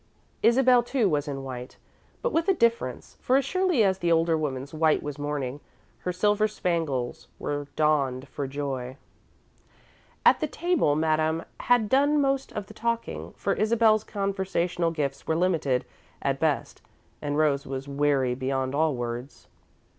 Isabel, too, was in white, but with a difference, for as surely as the older woman's white was mourning, her silver spangles were donned for joy. At the table, Madame had done most of the talking, for Isabel's conversational gifts were limited, at best, and Rose was weary beyond all words.